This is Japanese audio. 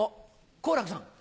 好楽さん。